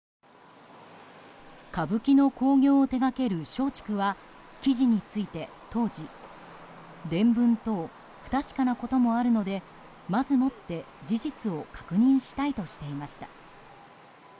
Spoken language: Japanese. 歌舞伎の興行を手掛ける松竹は記事について当時伝聞等、不確かなこともあるのでまずもって事実を確認したいとしていました。